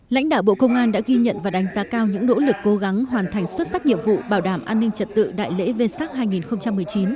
lãnh đạo bộ công an đã ghi nhận và đánh giá cao những nỗ lực cố gắng hoàn thành xuất sắc nhiệm vụ bảo đảm an ninh trật tự đại lễ v sac hai nghìn một mươi chín